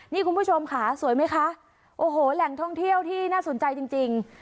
นี่คุณผู้ชมค่ะสวยไหมคะโอ้โหแหล่งท่องเที่ยวที่น่าสนใจจริงจริง